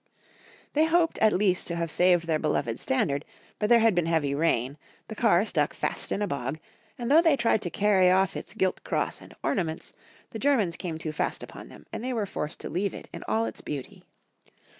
They hoped at least to have saved their beloved standard, but there had been heavy rain, the car stuck fast in a bog, and though they tried to carry off its gilt cross and ornaments, the Germans came too fast upon them, and they were forced to leave it in all its beauty.